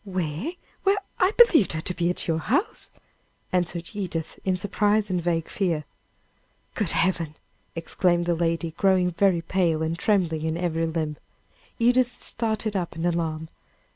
"Where? Why, I believed her to be at your house!" answered Edith, in surprise and vague fear. "Good heaven!" exclaimed the lady, growing very pale, and trembling in every limb. Edith started up in alarm.